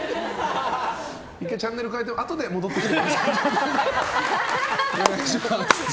１回チャンネル変えてあとで戻ってきてもらって。